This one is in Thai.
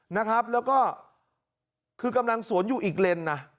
นะครับแล้วก็คือกำลังสวนอยู่อีกเลนนะ